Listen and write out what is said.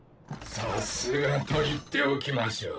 さすがと言っておきましょう。